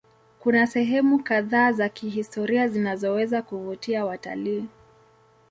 Kuna sehemu kadhaa za kihistoria zinazoweza kuvutia watalii.